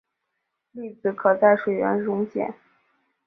粒子可在水源溶解。